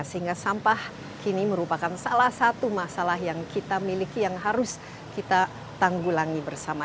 sehingga sampah kini merupakan salah satu masalah yang kita miliki yang harus kita tanggulangi bersama